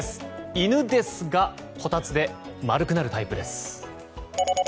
犬ですがこたつで丸くなるタイプです。